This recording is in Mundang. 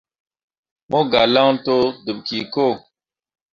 Mo gǝlaŋ to deb ki ko.